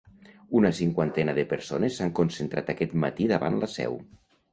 Una cinquantena de persones s’han concentrat aquest matí davant la seu.